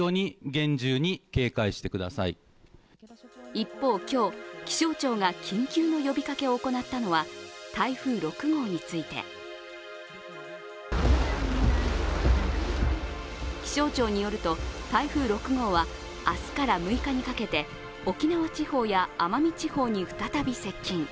一方、今日、気象庁が緊急の呼びかけを行ったのは、台風６号について。気象庁によると台風６号は明日から６日にかけて沖縄地方や奄美地方に再び接近。